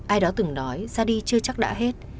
ai đó từng nói ra đi chưa chắc đã hết